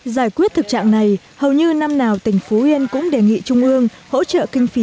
giải quyết thực trạng này hầu như năm nào tỉnh phú yên cũng đề nghị trung ương hỗ trợ kinh phí